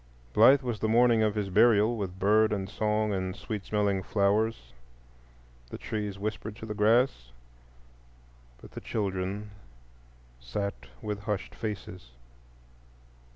Blithe was the morning of his burial, with bird and song and sweet smelling flowers. The trees whispered to the grass, but the children sat with hushed faces.